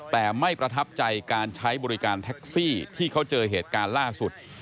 แต่ไม่ประทับใจการใช้บริการแท็กซี่ที่เขาเจอเหตุการณ์ล่าสุด